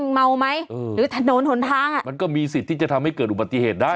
มันก็มีสิทธิ์ที่จะทำให้เกิดอุบัติเหตุได้